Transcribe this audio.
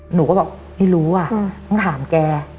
หนูก็บอกไม่รู้อ่ะต้องถามแก